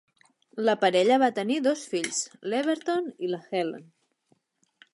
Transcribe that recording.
La parella va tenir dos fills, l'Everton i la Helen.